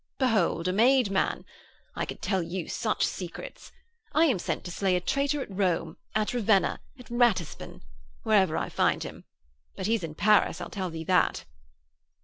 'Behold a made man. I could tell you such secrets. I am sent to slay a traitor at Rome, at Ravenna, at Ratisbon wherever I find him. But he's in Paris, I'll tell thee that.'